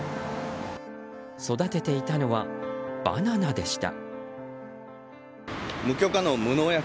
育てていたのはバナナでした。